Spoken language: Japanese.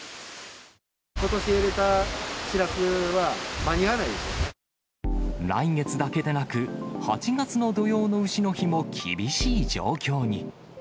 ことし入れたしらすは間に合来月だけでなく、８月の土用のうしの日も厳しい状況に。